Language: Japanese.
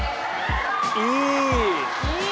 いい！